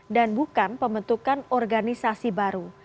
dan bukan pembentukan organisasi baru